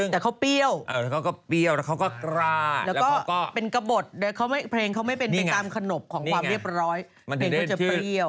แต่เขาเปรี้ยวเป็นกระบดเพลงเขาไม่เป็นเป็นตามขนบของความเรียบร้อยเพลงเขาจะเปรี้ยว